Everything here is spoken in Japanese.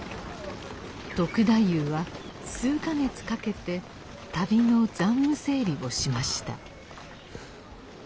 篤太夫は数か月かけて旅の残務整理をしました。